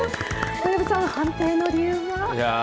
小籔さん、判定の理由は。